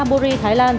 hà bù ri thái lan